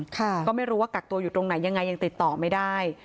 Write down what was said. ก็ไม่รู้ว่ากักตัวอยู่ตรงไหนยังไงยังติดต่อไม่ได้